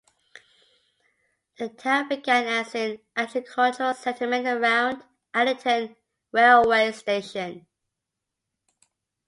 The town began as an agricultural settlement around Addington Railway Station.